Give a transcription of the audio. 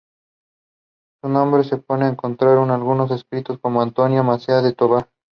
Su nombre se puede encontrar en algunos escritos como Antonio Mesía de Tobar.